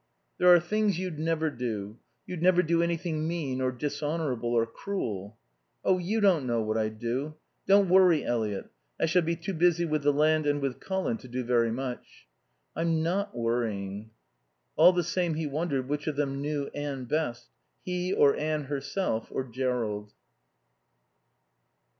"There are things you'd never do. You'd never do anything mean or dishonourable or cruel." "Oh, you don't know what I'd do...Don't worry, Eliot. I shall be too busy with the land and with Colin to do very much." "I'm not worrying." All the same he wondered which of them knew Anne best, he or Anne herself, or Jerrold.